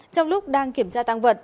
trong lúc đang kiểm tra tăng vật